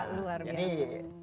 iya luar biasa